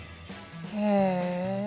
へえ。